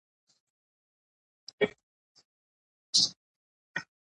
د تشریع او قانون سرچینه قرانکریم او نبوي احادیث دي.